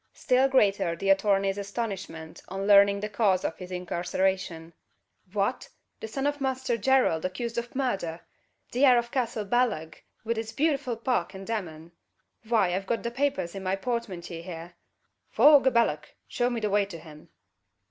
Still greater the attorney's astonishment on learning the cause of his incarceration. "Fwhat! the son of a Munsther Gerald accused of murdher! The heir of Castle Ballagh, wid its bewtiful park and demesne. Fwy, I've got the papers in my portmantyee here. Faugh a ballagh! Show me the way to him!"